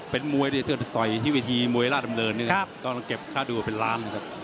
เป็นมวยที่ต่อยที่เวทีมวยราชดำเนินนี่นะครับกำลังเก็บค่าดูเป็นล้านนะครับ